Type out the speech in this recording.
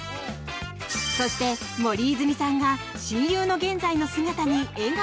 そして、森泉さんが親友の現在の姿に笑顔！